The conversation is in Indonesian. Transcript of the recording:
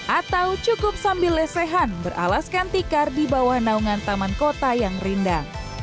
atau cukup sambil lesehan beralaskan tikar di bawah naungan taman kota yang rindang